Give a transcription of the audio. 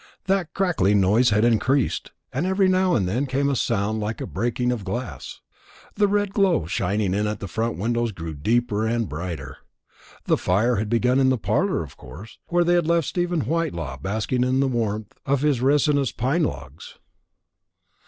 That crackling noise had increased, and every now and then there came a sound like the breaking of glass. The red glow shining in at the front windows grew deeper and brighter. The fire had begun in the parlour, of course, where they had left Stephen Whitelaw basking in the warmth of his resinous pine logs.